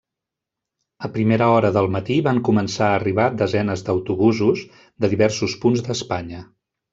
A primera hora del matí van començar a arribar desenes d'autobusos de diversos punts d'Espanya.